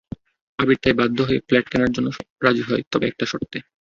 আবির তাই বাধ্য হয়ে ফ্ল্যাট কেনার জন্য রাজি হয়, তবে একটা শর্তে।